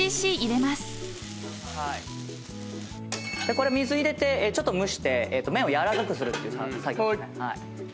［そして］水入れてちょっと蒸して麺を軟らかくするって作業ですね。